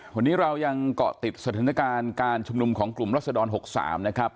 วันนี้เรายังเกาะติดสถานการณ์การชุมนุมของกลุ่มรัศดร๖๓นะครับ